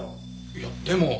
いやでも。